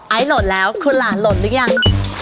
ไอล์โหลดแล้วคุณหลานโหลดหรือยัง